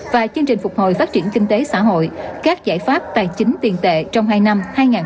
và chương trình phục hồi phát triển kinh tế xã hội các giải pháp tài chính tiền tệ trong hai năm hai nghìn hai mươi hai hai nghìn hai mươi ba